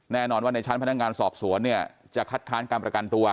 แน่นอนว่าในชั้นพนักงานสอบสวนเนี่ยจะคัดค้านการประกันตัว